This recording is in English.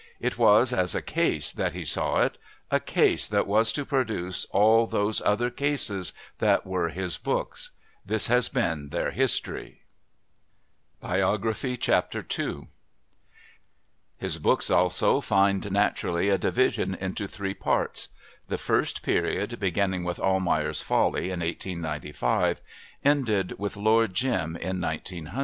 It was as a "case" that he saw it, a "case" that was to produce all those other "cases" that were his books. This has been their history. II His books, also, find naturally a division into three parts; the first period, beginning with Almayer's Folly in 1895, ended with Lord Jim in 1900.